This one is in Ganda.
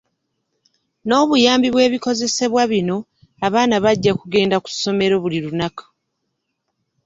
N'obuyambi bw'ebikozesebwa bino, abaana bajja kugenda ku ssomero buli lunaku.